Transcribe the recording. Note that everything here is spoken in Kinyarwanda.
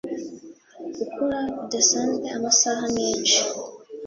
gukora bidasanzwe amasaha menshi